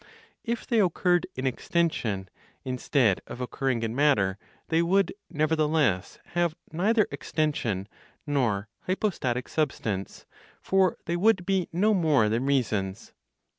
If they occurred in extension, instead of occurring in matter, they would nevertheless have neither extension nor (hypostatic) substance; for they would be no more than reasons.